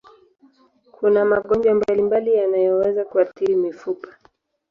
Kuna magonjwa mbalimbali yanayoweza kuathiri mifupa.